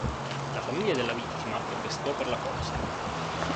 La famiglia della vittima protestò per la cosa.